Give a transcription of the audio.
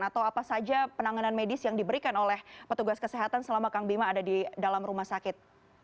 atau apa saja penanganan medis yang diberikan oleh petugas kesehatan selama kang bima ada di dalam rumah sakit